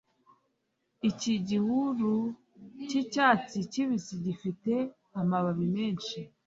Iki gihuru cyi cyatsi kibisi gifite amababi meshi